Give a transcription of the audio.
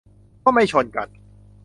ก็ไม่ชนกัน